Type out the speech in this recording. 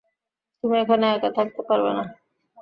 তুমি এখানে একা থাকতে পারবে না।